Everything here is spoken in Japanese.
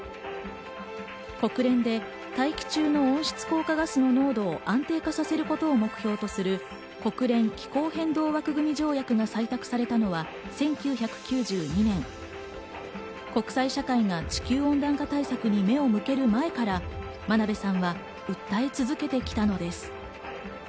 国連で大気中の温室効果ガスの濃度を安定化させること目標とする国連気候変動枠組条約が採択されたのは１９９２年、国際社会が地球温暖化対策に目を向ける前から真鍋さんは訴え続けてきたのです。